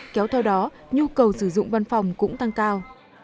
kéo theo đó nhu cầu sử dụng văn phòng cũng tăng cao